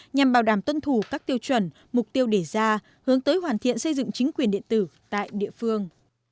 nhằm bảo đảm tuân thủ các tiêu chuẩn mục tiêu để ra hướng tới hoàn thiện xây dựng chính quyền điện tử tại địa phương